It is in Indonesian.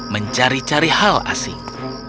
mencari cari hal asing